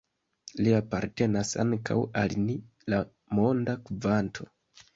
Li apartenas ankaŭ al ni, la monda kvanto.